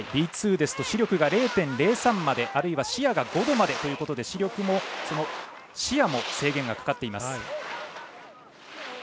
Ｂ２ですと視力が０．０３まであるいは視野が５度までということで視力も視野も制限がかかっています。